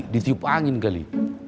ditiup angin kali